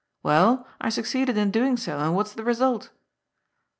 ' Well, I succeeded in doing so ; and what's the result?"